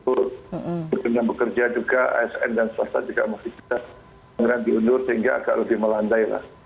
bukit yang bekerja juga asm dan swasta juga masih bisa diundur sehingga agak lebih melantai lah